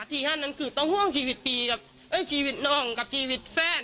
ที่ฉันต้องร่วงชีวิตนางและชีวิตแฟน